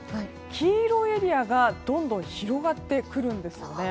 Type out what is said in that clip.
黄色いエリアがどんどん広がってくるんです。